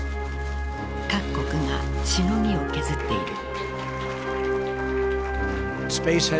各国がしのぎを削っている。